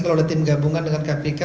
kalau ada tim gabungan dengan kpk